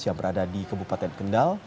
yang berada di kabupaten kendal